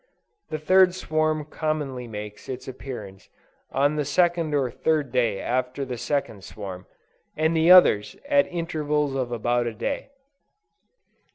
The third swarm commonly makes its appearance on the second or third day after the second swarm, and the others, at intervals of about a day.